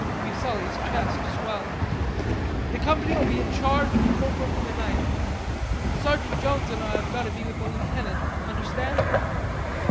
Fuselli's chest swelled. "The company'll be in charge of the corporal for the night. Sergeant Jones and I have got to be with the lieutenant, understand?"